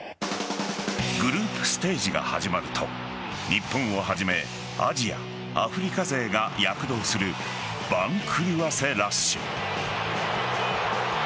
グループステージが始まると日本をはじめアジア、アフリカ勢が躍動する番狂わせラッシュ。